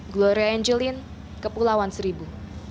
gloria angelin kepulauan seribu